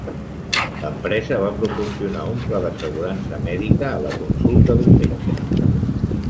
L'empresa va proporcionar un pla d'assegurança mèdica a la consulta d'un metge.